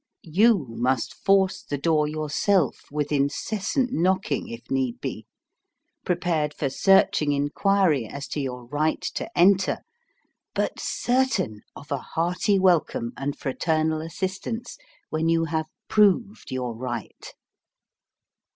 You must force the door yourself with incessant knocking if need be, prepared for searching inquiry as to your right to enter, but certain of a hearty welcome and fraternal assistance when you have proved your right.